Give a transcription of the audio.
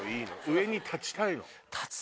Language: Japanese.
上に立ちたいの。